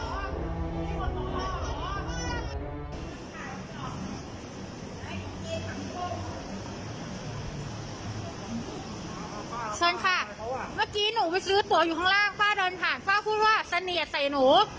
เชิญค่ะเมื่อกี้หนูไปซื้อตัวอยู่ข้างล่างป้าเดินผ่านป้าพูดว่าเสนียดใส่หนู